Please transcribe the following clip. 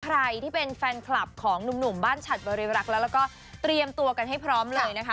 ใครที่เป็นแฟนคลับของหนุ่มบ้านฉัดบริรักษ์แล้วก็เตรียมตัวกันให้พร้อมเลยนะคะ